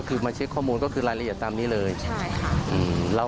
ก็คือต้องจองโลกหน้า